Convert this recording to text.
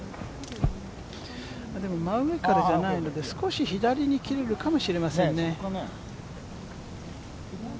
でも真上からじゃないので、少し左に切れるかもしれませんね。